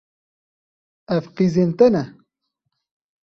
Ev qîzên te ne?